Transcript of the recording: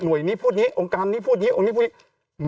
หน่วยนี้พูดนี้องค์กรรมนี้พูดนี้องค์นี้พูดนี้